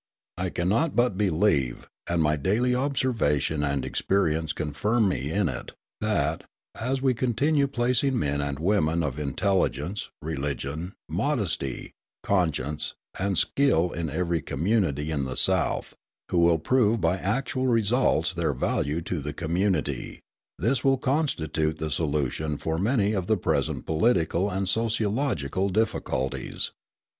I cannot but believe, and my daily observation and experience confirm me in it, that, as we continue placing men and women of intelligence, religion, modesty, conscience, and skill in every community in the South, who will prove by actual results their value to the community, this will constitute the solution for many of the present political and sociological difficulties.